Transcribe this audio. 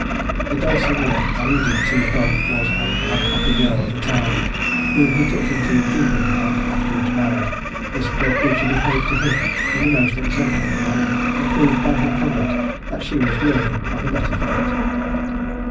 The Dulcinea alluded to above was an unhappy girl of the town, whom he took into keeping, and afterwards married. This poor creature behaved to him in the most exemplary manner, and proved by her conduct that she was worthy of a better fate.